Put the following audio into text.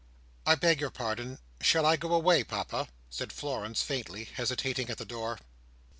"I beg your pardon. Shall I go away, Papa?" said Florence faintly, hesitating at the door.